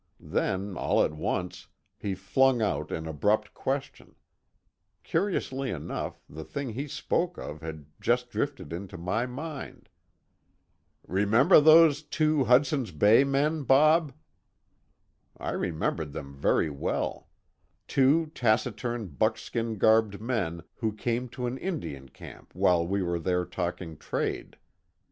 Then, all at once, he flung out an abrupt question. Curiously enough, the thing he spoke of had just drifted into my mind. "Remember those two Hudson's Bay men, Bob?" I remembered them very well; two taciturn, buckskin garbed men, who came to an Indian camp while we were there talking trade.